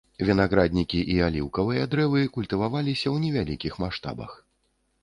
Вінаграднікі і аліўкавыя дрэвы культываваліся ў невялікіх маштабах.